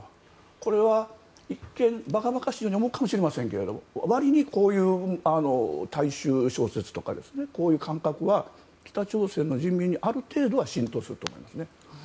これは一見ばかばかしく思うかもしれないですけど割に、こういう大衆小説とかこういう感覚は北朝鮮の人民にある程度浸透していると思います。